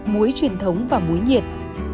muối truyền thống và muối nhiệt